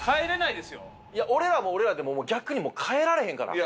いや俺らも俺らで逆にもう帰られへんから。